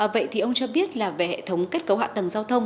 vậy thì ông cho biết là về hệ thống kết cấu hạ tầng giao thông